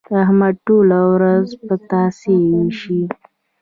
احمد ټوله ورځ پتاسې وېشي.